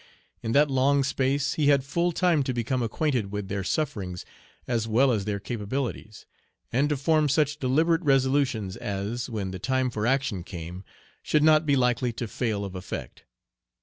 In that long space he had full time to become acquainted with their sufferings as well as their capabilities, and to form such deliberate resolutions as, when the time for action came, should not be likely to fail of effect.